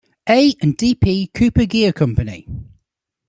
A. and D. P. Cooper Gear Company.